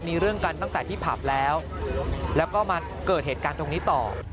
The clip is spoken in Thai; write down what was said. มีเรื่องกันตั้งแต่ที่ผับแล้วแล้วก็มาเกิดเหตุการณ์ตรงนี้ต่อ